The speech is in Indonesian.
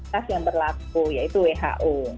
tes yang berlaku yaitu who